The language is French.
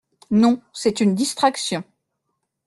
Non ; c'est une distraction.